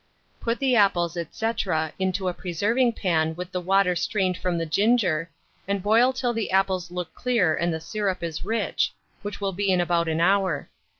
Put the apples, &c., into a preserving pan with the water strained from the ginger, and boil till the apples look clear and the syrup is rich, which will be in about an hour.